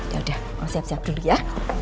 ya udah siap siap dulu ya